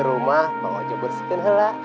rumah bang ojo bersetin helah